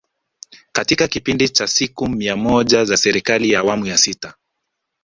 Katika kipindi cha siku mia moja za Serikali ya Awamu ya Sita